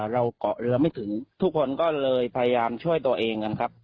เราเกาะเรือไม่ถึงทุกคนก็เลยพยายามช่วยตัวเองกันครับ